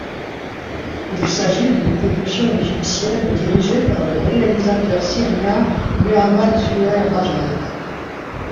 Il s'agit d'une production égyptienne dirigée par le réalisateur syrien Muhamad Zuhair Rajab.